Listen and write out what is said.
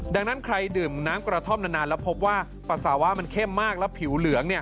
ดังนั้นใครดื่มน้ำกระท่อมนานแล้วพบว่าปัสสาวะมันเข้มมากแล้วผิวเหลือง